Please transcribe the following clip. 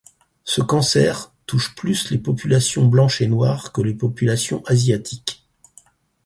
Ce cancer touche plus les populations blanches et noires que les populations asiatiques.